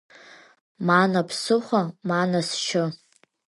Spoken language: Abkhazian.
Мана бсыхәа, мана сшьы!